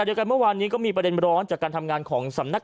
เดียวกันเมื่อวานนี้ก็มีประเด็นร้อนจากการทำงานของสำนัก